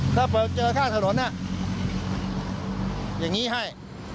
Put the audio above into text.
ถ้าไปเจอข้างถนนอย่างนี้ให้